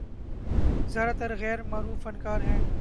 زیادہ تر غیر معروف فنکار ہیں۔